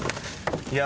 いや。